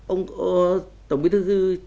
ông tổng bí thư